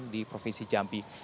di provinsi jampi